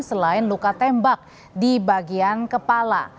selain luka tembak di bagian kepala